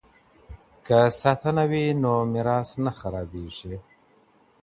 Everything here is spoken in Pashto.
که ساتنه وي نو میراث نه خرابیږي.